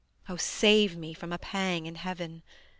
O save me from a pang in Heaven!